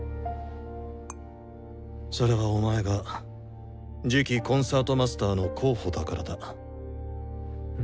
それはお前が次期コンサートマスターの候補だからだ。